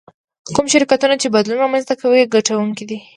کوم شرکتونه چې بدلون رامنځته کوي ګټونکي دي.